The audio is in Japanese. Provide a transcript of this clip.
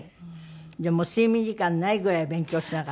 じゃあもう睡眠時間ないぐらい勉強。